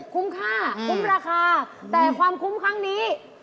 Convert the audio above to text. คุ้มค่าคุ้มราคาแต่ความคุ้มครั้งนี้